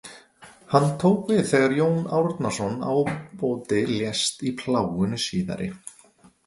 Hann tók við þegar Jón Árnason ábóti lést í plágunni síðari.